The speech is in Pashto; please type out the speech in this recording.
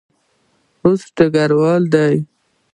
اوس ډګروال دی.